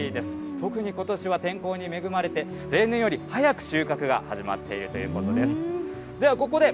特にことしは天候に恵まれて、例年より早く収穫が始まっているということです。